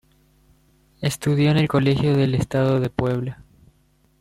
Estudió en el Colegio del Estado de Puebla.